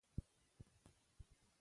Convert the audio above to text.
د سرو غرونو کیسې د مېړانې سبق ورکوي.